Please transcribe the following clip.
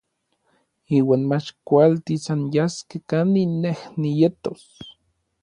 Iuan mach kualtis anyaskej kanin nej nietos.